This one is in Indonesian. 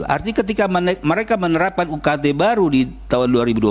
artinya ketika mereka menerapkan ukt baru di tahun dua ribu dua puluh